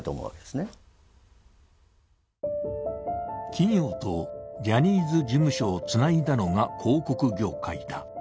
企業とジャニーズ事務所をつないだのが広告業界だ。